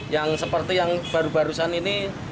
yang seperti yang baru barusan ini